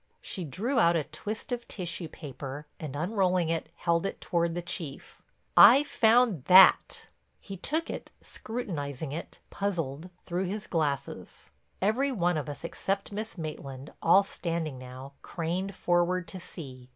She drew out a twist of tissue paper, and unrolling it held it toward the Chief; "I found that." He took it, scrutinizing it, puzzled, through his glasses. Every one of us except Miss Maitland, all standing now, craned forward to see.